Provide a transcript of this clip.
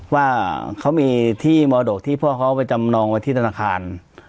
ว่าเขามีที่มรดกที่พ่อเขาไปจำนองไว้ที่ธนาคาร